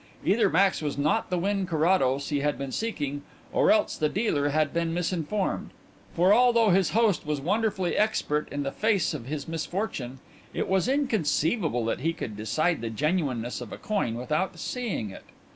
Either Max was not the Wynn Carrados he had been seeking or else the dealer had been misinformed; for although his host was wonderfully expert in the face of his misfortune, it was inconceivable that he could decide the genuineness of a coin without seeing it.